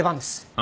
あ？